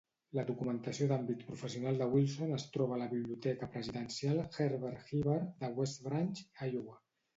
La documentació d'àmbit professional de Wilson es troba a la biblioteca presidencial Herbert Hoover de West Branch (Iowa).